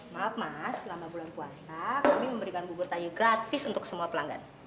maaf mas selama bulan puasa kami memberikan bubur kayu gratis untuk semua pelanggan